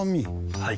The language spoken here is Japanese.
はい。